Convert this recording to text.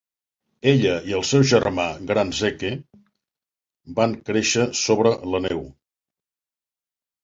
Ella i el seu germà gran Zeke van créixer sobre la neu.